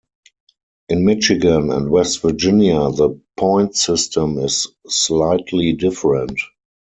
In Michigan and West Virginia, the point system is slightly different.